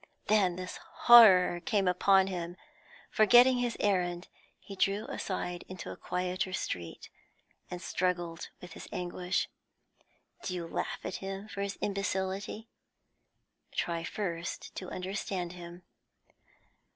Then this horror came upon him. Forgetting his errand, he drew aside into a quieter street, and struggled with his anguish. Do you laugh at him for his imbecility? Try first to understand him.